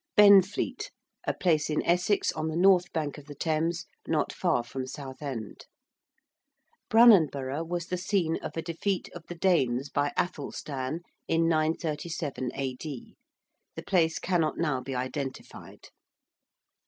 ~Benfleet~: a place in Essex, on the north bank of the Thames, not far from Southend. ~Brunanburgh~ was the scene of a defeat of the Danes by Athelstan in 937 A.D.; the place cannot now be identified.